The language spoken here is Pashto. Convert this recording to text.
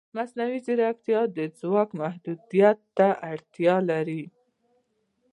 مصنوعي ځیرکتیا د ځواک محدودیت ته اړتیا لري.